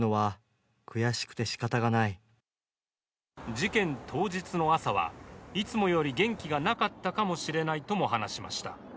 事件当日の朝はいつもより元気がなかったかもしれないとも話しました。